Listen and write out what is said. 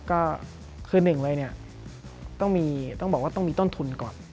ก็คือหนึ่งเลยเนี่ยต้องบอกว่าต้องมีต้นทุนก่อน